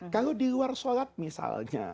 kalau di luar sholat misalnya